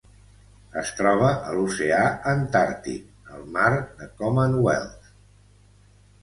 Es troba a l'oceà Antàrtic: el mar de Commonwealth.